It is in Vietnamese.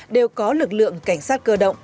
đều có lực lượng cảnh sát cơ động